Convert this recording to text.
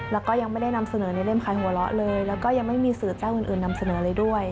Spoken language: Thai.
แล้วก็ยังไม่ได้นำเสนอในเล่มขายหัวเราะเลยแล้วก็ยังไม่มีสื่อเจ้าอื่นนำเสนอเลยด้วย